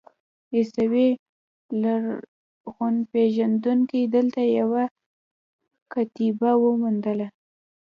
عیسوي لرغونپېژندونکو دلته یوه کتیبه وموندله.